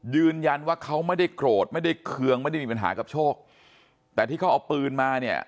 ยืนยันว่าเขาไม่ได้โกรธไม่ได้เคืองไม่ได้มีปัญหากับโชคแต่ที่เขาเอาปืนมาเนี่ย